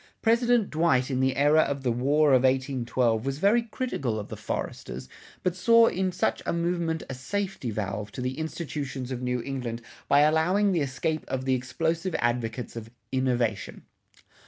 President Dwight in the era of the War of 1812 was very critical of the "foresters," but saw in such a movement a safety valve to the institutions of New England by allowing the escape of the explosive advocates of "Innovation."